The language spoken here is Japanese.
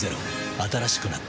新しくなった